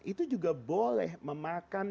itu juga boleh memakan